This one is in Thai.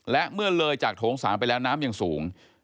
และเมื่อเลยจากโถง๓ไปแล้วน้ำยังสูง